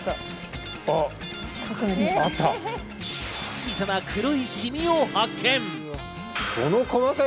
小さな黒いシミを発見。